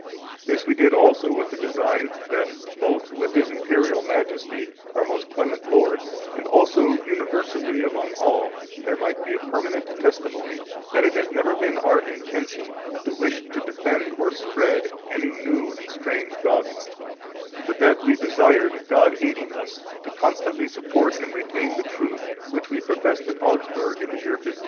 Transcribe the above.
This we did also with the design that, both with his Imperial Majesty, our most clement lord, and also universally among all, there might be a permanent testimony that it has never been our intention to wish to defend or spread any new and strange dogma, but that we desired, God aiding us, to constantly support and retain the truth which we professed at Augsburg in the year 1530.